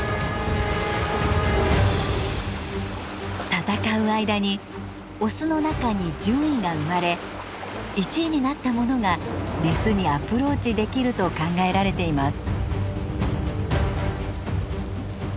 戦う間にオスの中に順位が生まれ１位になったものがメスにアプローチできると考えられています。